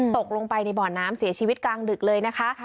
ตกลงไปในบ่อน้ำเสียชีวิตกลางดึกเลยนะคะ